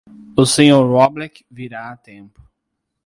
O Sr. Roblek virá a tempo.